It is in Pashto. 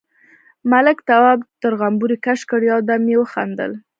ملک، تواب تر غومبري کش کړ، يو دم يې وخندل: